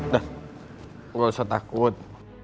dah gak usah takut